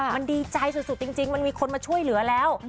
มันดีใจสุดจริงมันมีคนมาช่วยเหลือแล้ว